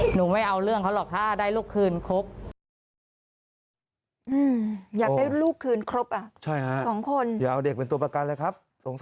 ไม่เอาเรื่องเขาหรอกถ้าได้ลูกคืนครบ